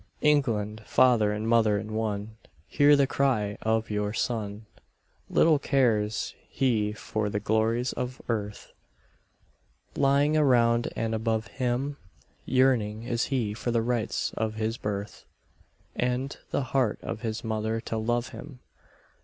England, father and mother in one, Hear the cry of your son. Little cares he for the glories of earth Lying around and above him, Yearning is he for the rights of his birth, And the heart of his mother to love him.